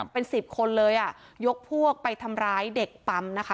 เป็นสิบคนเลยอ่ะยกพวกไปทำร้ายเด็กปั๊มนะคะ